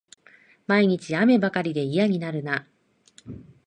毎日、雨ばかりで嫌になるな